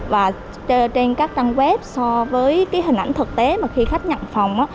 và trên các trang web so với cái hình ảnh thực tế mà khi khách nhận phòng